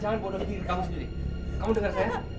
jangan bunuh diri kamu sendiri kamu dengar saya